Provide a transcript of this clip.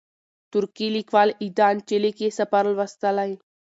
ترکی لیکوال ایدان چیلیک یې سفر لوستلی.